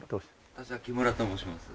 私は木村と申します。